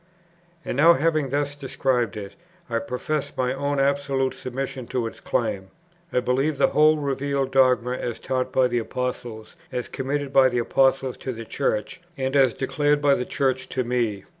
And now, having thus described it, I profess my own absolute submission to its claim. I believe the whole revealed dogma as taught by the Apostles, as committed by the Apostles to the Church; and as declared by the Church to me.